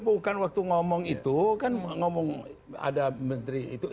bukan waktu ngomong itu kan ngomong ada menteri itu